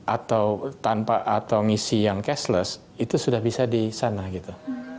atau tanpa atau ngisi yang cashless itu sudah bisa di sana gitu